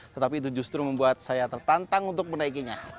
tetapi itu justru membuat saya tertantang untuk menaikinya